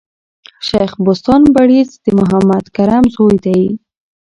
شېخ بُستان بړیځ د محمد کرم زوی دﺉ.